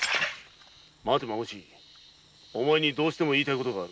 待てお前にどうしても言いたいことがある。